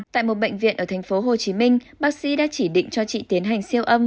tại một bệnh viện ở tp hcm bác sĩ đã chỉ định cho chị tiến hành siêu âm